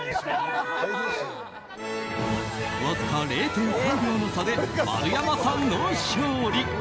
わずか０．３秒の差で丸山さんの勝利！